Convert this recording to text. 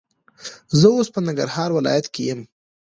زه اوس په ننګرهار ولایت کې یم.